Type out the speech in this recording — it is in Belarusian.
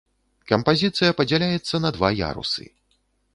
Кампазіцыя падзяляецца на два ярусы.